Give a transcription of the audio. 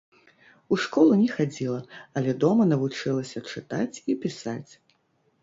У школу не хадзіла, але дома навучылася чытаць і пісаць.